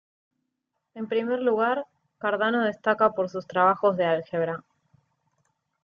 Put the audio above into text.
En primer lugar, Cardano destaca por sus trabajos de álgebra.